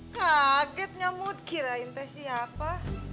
kaget nyamud kira intai siapa